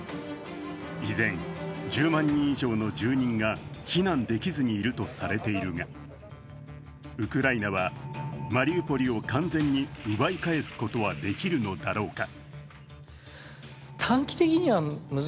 依然１０万人以上の住人が避難できずにいるとされているが、ウクライナはマリウポリを完全に奪い返すことはできるのだろうか。